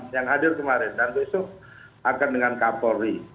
yang hadir kemarin nanti esok akan dengan kapolri